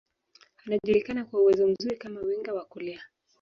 Anajulikana kwa uwezo mzuri kama winga wa kulia